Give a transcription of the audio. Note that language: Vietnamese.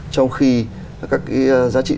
trong khi các giá trị